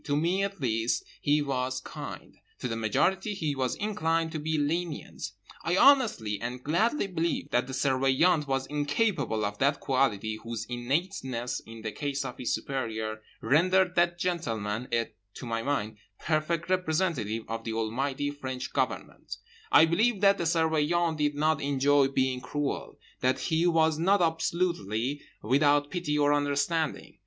To me, at least, he was kind: to the majority he was inclined to be lenient. I honestly and gladly believe that the Surveillant was incapable of that quality whose innateness, in the case of his superior, rendered that gentleman a (to my mind) perfect representative of the Almighty French Government: I believe that the Surveillant did not enjoy being cruel, that he was not absolutely without pity or understanding.